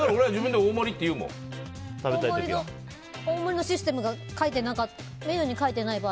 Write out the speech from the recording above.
大盛りのシステムがメニューに書いてない場合